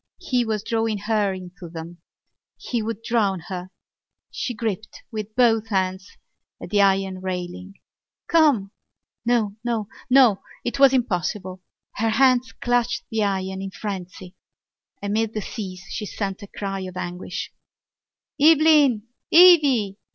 He was drawing her into them: he would drown her. She gripped with both hands at the iron railing. "Come!" No! No! No! It was impossible. Her hands clutched the iron in frenzy. Amid the seas she sent a cry of anguish! "Eveline! Evvy!"